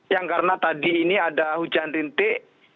yang karena tadi ini ada hujan rintik